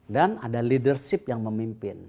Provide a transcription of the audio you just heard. dan ada leadership yang memimpin